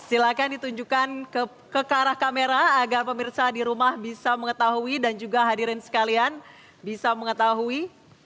silahkan ditunjukkan ke arah kamera agar pemirsa di rumah bisa mengetahui dan juga hadirin sekalian bisa mengetahui